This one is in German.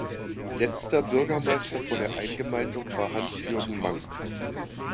Letzter Bürgermeister vor der Eingemeindung war Hans-Jürgen Mank.